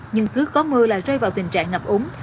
nhưng cứ có mưa là rơi vào tình trạng ngập úng